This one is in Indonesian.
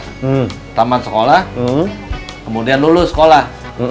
taman sekolah kemudian lulus sekolah